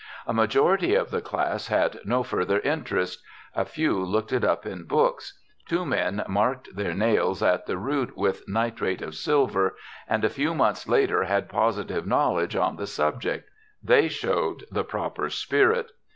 A majority of the class had no further interest; a few looked it up in books; two men marked their nails at the root with nitrate of silver, and a few months later had positive knowledge on the subject. They showed the proper spirit.